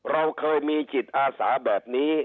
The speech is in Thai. เราเคยมีจิตอาสาแบบนี้